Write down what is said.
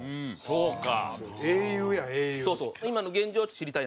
そうか。